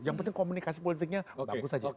yang penting komunikasi politiknya bagus saja